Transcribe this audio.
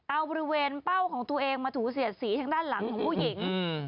เอาบริเวณเป้าของตัวเองมาถูเสียดสีทางด้านหลังของผู้หญิง